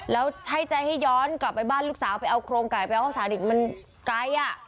แล้วใช้ใจให้ย้อนกลับไปบ้านลูกสาวไปเอาโครงไก่ไปเอาข้าวสารอีกมันไกลอ่ะ